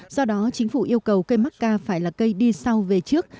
do đó chính phủ yêu cầu cây macca phải là cây đi sau về trước